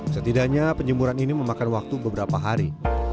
setidaknya penjemuran ini memakan waktu beberapa hari